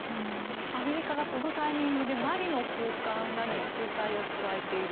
アメリカがこのタイミングでマリの高官らに制裁を加えている。